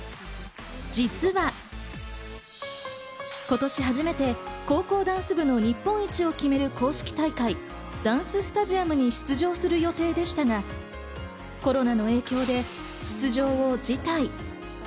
実は、今年初めて高校ダンス部の日本一を決める公式大会、ダンススタジアムに出場する予定でしたが、コロナの影響で出場を辞退。